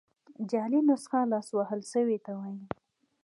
جعلي نسخه لاس وهل سوي ته وايي.